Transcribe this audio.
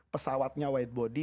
pesawatnya white body